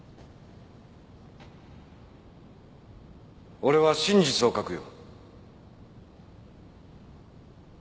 俺は真実を書くよ。